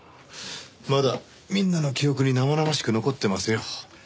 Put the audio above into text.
まだみんなの記憶に生々しく残ってますよ。